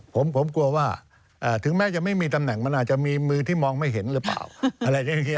ผมกลัวว่าถึงแม้จะไม่มีตำแหน่งมันอาจจะมีมือที่มองไม่เห็นหรือเปล่าอะไรอย่างนี้